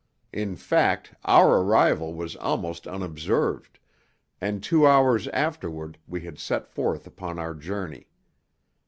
In fact, our arrival was almost unobserved, and two hours afterward we had set forth upon our journey.